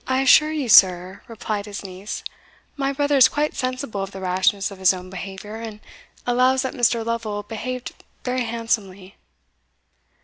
"I assure you, sir," replied his niece, "my brother is quite sensible of the rashness of his own behaviour, and allows that Mr. Lovel behaved very handsomely."